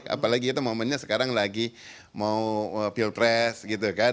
apalagi kita momennya sekarang lagi mau pilpres gitu kan